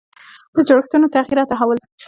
د جوړښتونو تغییر او تحول.